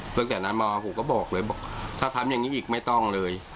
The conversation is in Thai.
ตั้งแต่นั้นมาผมก็บอกเลยบอกถ้าทำอย่างนี้อีกไม่ต้องเลย